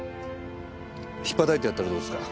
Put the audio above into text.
引っぱたいてやったらどうですか。